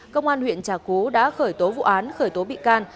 công an huyện trà cú đã khởi tố vụ án khởi tố bị can